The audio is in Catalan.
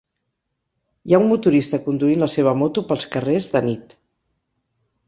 Hi ha un motorista conduint la seva moto pels carrers de nit.